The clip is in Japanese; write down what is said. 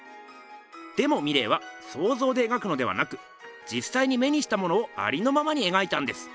でもミレーはそうぞうで描くのではなくじっさいに目にしたものをありのままに描いたんです。